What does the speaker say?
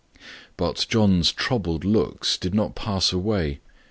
But John's troubled looks did not pass away.